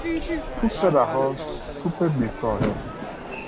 توپ رها، توپ بی صاحب